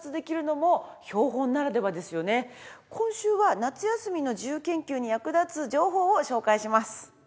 今週は夏休みの自由研究に役立つ情報を紹介します。